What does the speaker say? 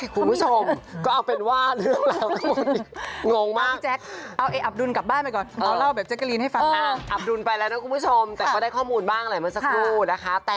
คุณผู้ชมก็เอาเป็นว่าเรื่องราวทั้งหมด